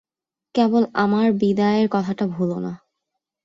কেবল আমার বিদায়ের কথাটা ভুলো না।